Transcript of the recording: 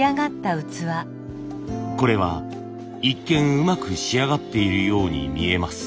これは一見うまく仕上がっているように見えます。